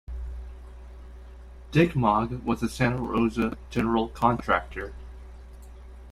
Dick Maugg, was a Santa Rosa general contractor.